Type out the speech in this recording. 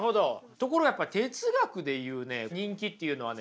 ところがやっぱり哲学で言うね人気っていうのはね